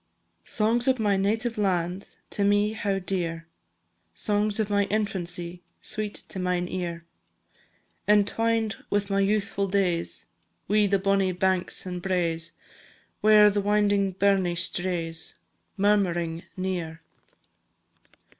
"_ Songs of my native land, To me how dear! Songs of my infancy, Sweet to mine ear! Entwined with my youthful days, Wi' the bonny banks and braes, Where the winding burnie strays, Murmuring near.